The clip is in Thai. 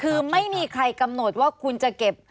คือไม่มีใครกำหนดว่าคุณจะเก็บ